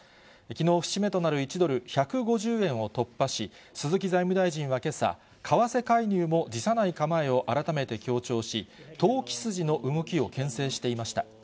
きのう、節目となる１ドル１５０円を突破し、鈴木財務大臣はけさ、為替介入も辞さない構えを改めて強調し、投機筋の動きをけん制していました。